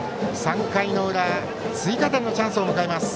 ３回の裏追加点のチャンスを迎えます。